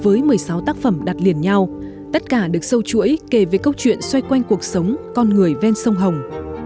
với một mươi sáu tác phẩm đặt liền nhau tất cả được sâu chuỗi kể về câu chuyện xoay quanh cuộc sống con người ven sông hồng